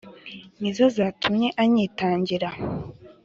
Ni zo zatumy' anyitangirira;